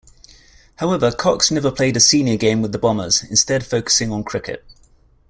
However, Cox never played a senior game with the Bombers, instead focusing on cricket.